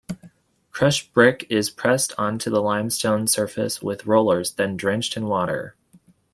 Crushed brick is pressed onto the limestone surface with rollers, then drenched in water.